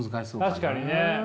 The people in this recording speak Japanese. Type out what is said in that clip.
確かにね。